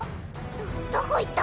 どどこ行った？